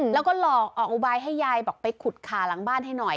แล้วก็หลอกออกอุบายให้ยายบอกไปขุดขาหลังบ้านให้หน่อย